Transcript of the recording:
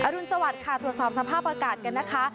รุนสวัสดิ์ค่ะตรวจสอบสภาพอากาศกันนะคะ